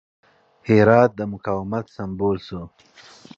هرات د مقاومت سمبول شو.